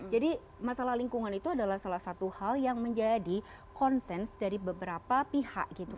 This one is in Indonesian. jadi masalah lingkungan itu adalah salah satu hal yang menjadi konsens dari beberapa pihak gitu